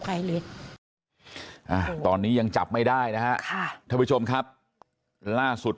ใครเลยตอนนี้ยังจับไม่ได้นะฮะค่ะท่านผู้ชมครับล่าสุด